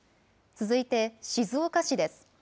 続いて静岡市です。